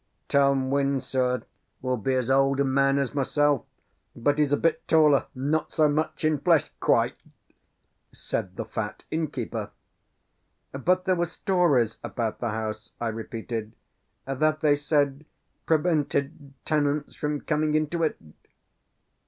"Tom Wyndsour will be as old a man as myself; but he's a bit taller, and not so much in flesh, quite," said the fat innkeeper. "But there were stories about the house," I repeated, "that they said, prevented tenants from coming into it?"